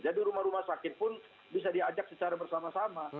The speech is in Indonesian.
jadi rumah rumah sakit pun bisa diajak secara bersama sama